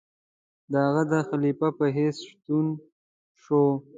د هغه د خلیفه په حیث ستون شو.